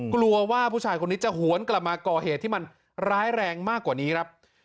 กลัวว่าผู้ชายคนนี้จะหวนกลับมาก่อเหตุที่มันร้ายแรงมากกว่านี้ครับ